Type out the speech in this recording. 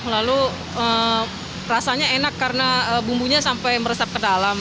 lalu rasanya enak karena bumbunya sampai meresap ke dalam